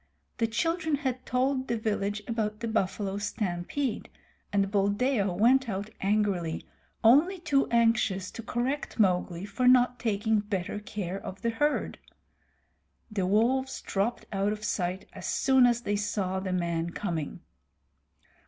The children had told the village about the buffalo stampede, and Buldeo went out angrily, only too anxious to correct Mowgli for not taking better care of the herd. The wolves dropped out of sight as soon as they saw the man coming.